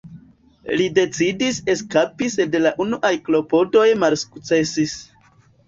Li decidis eskapi sed la unuaj klopodoj malsukcesis.